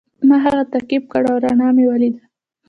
ما هغه تعقیب کړ او رڼا مې ولیده.